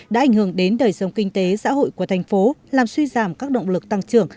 đã ảnh hưởng đến đời sống kinh tế xã hội của thành phố làm suy giảm các động lực tăng trưởng